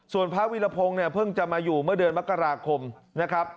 ส่วนพระวิลพรงษ์เพิ่งจะมาอยู่เมื่อเดือนมค